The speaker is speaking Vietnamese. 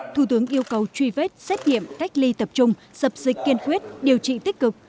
thủ tướng yêu cầu truy vết xét nghiệm cách ly tập trung dập dịch kiên quyết điều trị tích cực